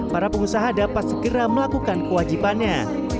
para pengusaha dapat segera melakukan kewajibannya